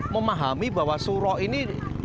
memahami bahwa suruh ini